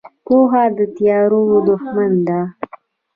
پوهه د تیارو دښمن ده.